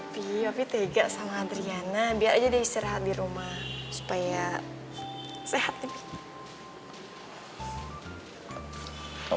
pi tapi tega sama adriana biar aja dia istirahat di rumah supaya sehat lebih